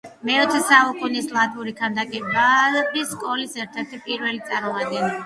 მეოცე საუკუნის ლატვიური ქანდაკების სკოლის ერთ-ერთი პირველი წარმომადგენელი.